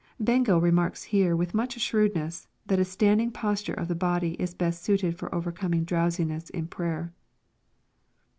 ] Bengel remarks here with much shrewdnefw that a standing posture of the body is best suited for overcoming irowsiness in prayer.